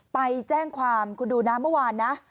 ไปแจ้งความคุณดูนะเมื่อวานนะ